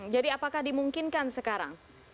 jadi apakah dimungkinkan sekarang